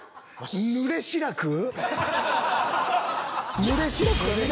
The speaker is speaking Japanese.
ぬれ志らく？